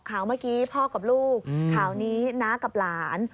ข่าวเมื่อกี้พ่อกับลูกข่าวนี้น้ากับหลาน